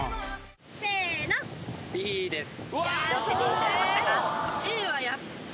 せーのＢです